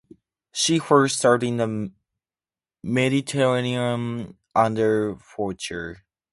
She first served in the Mediterranean under Faucher.